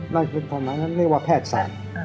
นั่นเป็นความหมายนั้นเรียกว่าแพทย์ศาสตร์